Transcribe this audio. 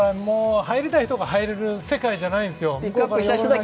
入りたい人が入れる世界じゃないんですよ。